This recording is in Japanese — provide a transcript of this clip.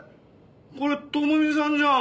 これ朋美さんじゃん。